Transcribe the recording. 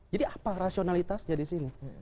jadi apa rasionalitasnya di sini